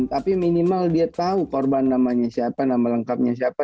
tapi minimal dia tahu korban namanya siapa nama lengkapnya siapa